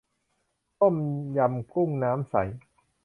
ต้มยำกุ้งน้ำใส